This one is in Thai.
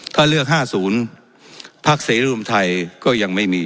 ถ้าเลือกห้าศูนย์ภักดิ์เศรษฐรมไทยก็ยังไม่มี